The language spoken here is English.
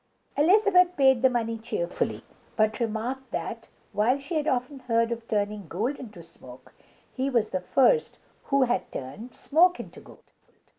Elizabeth paid the money cheerfully, but remarked that, while she had often heard of turning gold into smoke, he was the first who had turned smoke into gold.